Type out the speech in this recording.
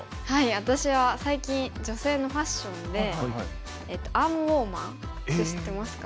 私は最近女性のファッションでアームウォーマーって知ってますか？